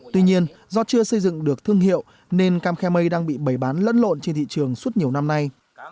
tuy nhiên do chưa xây dựng được thương hiệu nên cam khe mây đang bị bày bán lẫn lộn trên thị trường suốt nhiều năm nay